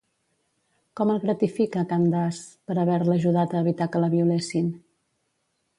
Com el gratifica Candace per haver-la ajudat a evitar que la violessin?